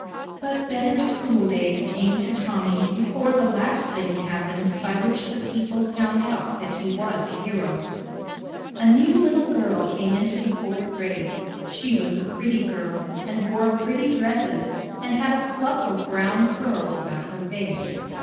But better school days came to Tommy before the last thing happened by which the people found out that he was a hero. A new little girl came into the fourth grade. She was a pretty girl, and wore pretty dresses, and had a fluff of brown curls about her face.